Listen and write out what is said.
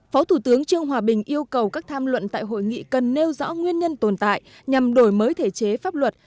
phó thủ tướng trương hòa bình yêu cầu các tham luận tại hội nghị cần nêu rõ nguyên nhân tồn tại nhằm đổi mới thể chế pháp luật